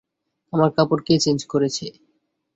আমার কাপড় কে চেঞ্জ করেছে?